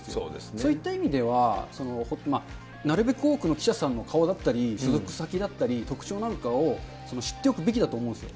そういった意味では、なるべく多くの記者さんの顔だったり、所属先だったり、特徴なんかを知っておくべきだと思うんですよ。